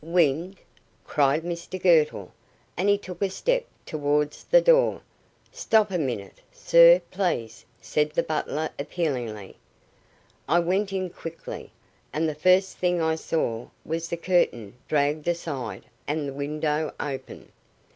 "Wind?" cried Mr Girtle; and he took a step towards the door. "Stop a minute, sir, please," said the butler appealingly. "I went in quickly, and the first thing I saw was the curtain dragged aside and the window open."